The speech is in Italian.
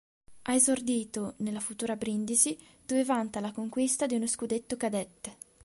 Ha esordito nella Futura Brindisi dove vanta la conquista di uno Scudetto Cadette.